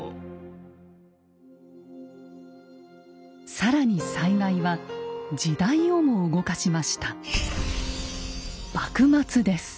更に災害は時代をも動かしました。